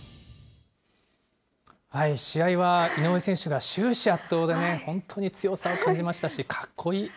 試合は井上選手が終始圧倒でね、本当に強さを感じましたし、かっこいい。